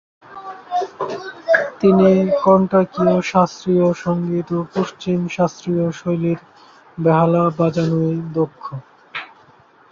তিনি কর্ণাটকী শাস্ত্রীয় সংগীত ও পশ্চিমী শাস্ত্রীয় শৈলীর বেহালা বাজানোয় দক্ষ।